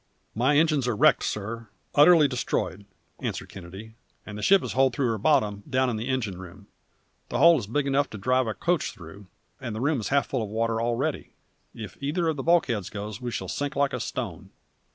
"My engines are wrecked, sir; utterly destroyed," answered Kennedy; "and the ship is holed through her bottom, down in the engine room. The hole is big enough to drive a coach through, and the room is half full of water already. If either of the bulkheads goes we shall sink like a stone!"